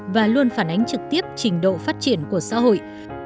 và luôn phản ánh trực tiếp trình độ phát triển của xã hội